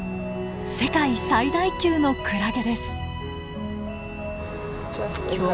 世界最大級のクラゲです。